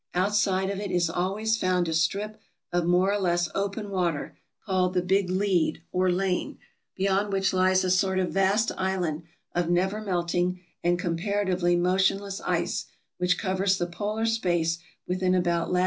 Outside of it is always found a strip of more or less open water, called " the big lead" or lane, beyond which lies a sort of vast island of never melting and comparatively motionless ice, which covers the polar space within about lat.